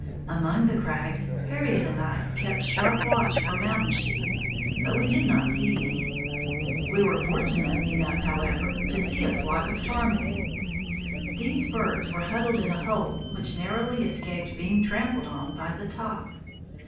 Among the crags Harriet and I kept sharp watch for mountain sheep, but we did not see any. We were fortunate enough, however, to see a flock of ptarmigan. These birds were huddled in a hole which narrowly escaped being trampled on by Top.